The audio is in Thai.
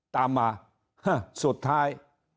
ตามมาสุดท้าย